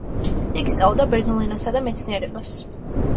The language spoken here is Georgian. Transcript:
იგი სწავლობდა ბერძნულ ენასა და მეცნიერებას.